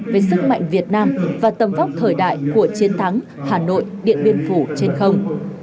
với sức mạnh việt nam và tầm vóc thời đại của chiến thắng hà nội điện biên phủ trên không